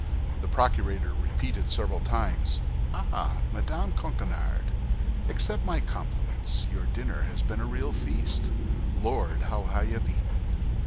The procurator repeated several times, "Ah, Madame Coquenard! Accept my compliments; your dinner has been a real feast. Lord, how I have eaten!"